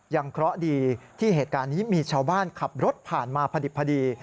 เคราะห์ดีที่เหตุการณ์นี้มีชาวบ้านขับรถผ่านมาพอดี